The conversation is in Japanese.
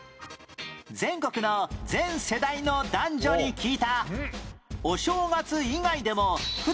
全国の全世代の男女に聞いた